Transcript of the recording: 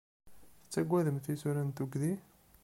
Tettagademt isura n tugdi?